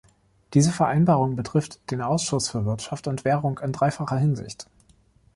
Diese Vereinbarung betrifft den Ausschuss für Wirtschaft und Währung in dreifacher Hinsicht.